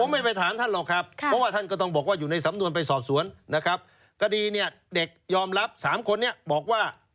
ไม่ถามเลยครับค่ะค่ะ